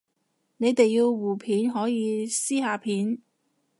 你哋要互片可以私下片